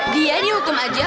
dia dihukum aja